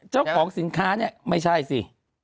เจ้าของสินค้าเนี่ยไม่ใช่สิ